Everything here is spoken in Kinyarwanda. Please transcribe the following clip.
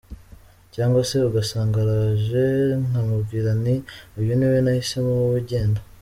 Cyangwa se ugasanga araje nkamubwira nti uyu niwe nahisemo wowe genda.